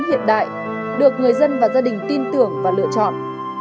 hiện đại được người dân và gia đình tin tưởng và lựa chọn